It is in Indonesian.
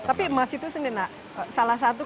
tapi mas itu sendiri nak salah satu